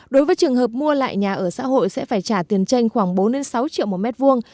đối với trường hợp mua lại nhà ở xã hội sẽ phải trả tiền tranh khoảng bốn sáu triệu một mét vuông